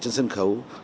trên sân khấu